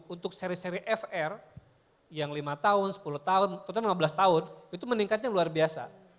untuk seri seri fr yang lima tahun sepuluh tahun terutama lima belas tahun itu meningkatnya luar biasa